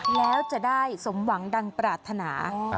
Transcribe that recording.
แล้วจะได้สมหวังดังปรารถนา